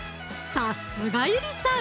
さすがゆりさん！